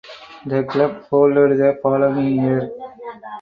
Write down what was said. The club folded the following year.